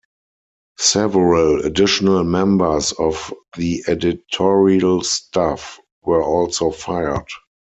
Several additional members of the editorial staff were also fired.